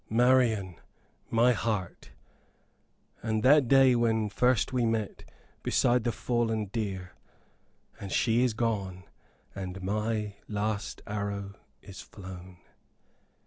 Marian, my heart ... and that day when first we met, beside the fallen deer! And she is gone, and my last arrow is flown....